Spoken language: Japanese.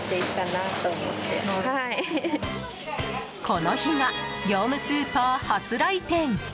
この日が業務スーパー初来店。